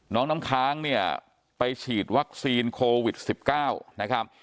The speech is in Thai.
น้องน้ำค้างเนี่ยไปฉีดวัคซีนโควิด๑๙นะครับ